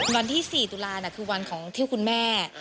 วันที่๔ตุลาคือวันของที่คุณแม่